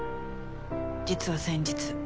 実は先日。